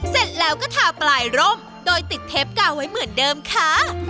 เสร็จแล้วก็ทาปลายร่มโดยติดเทปกาวไว้เหมือนเดิมค่ะ